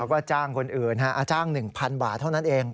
ก็จ้างคนอื่นจ้าง๑๐๐บาทเท่านั้นเอง